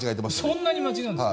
そんなに間違うんですか？